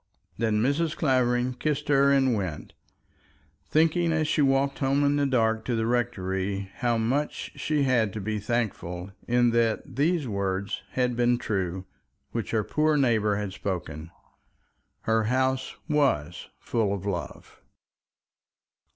Then Mrs. Clavering kissed her and went, thinking as she walked home in the dark to the rectory, how much she had to be thankful in that these words had been true which her poor neighbour had spoken. Her house was full of love.